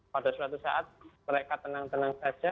pada suatu saat mereka tenang tenang saja